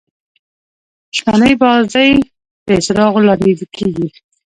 شپنۍ بازۍ د څراغو لانديکیږي.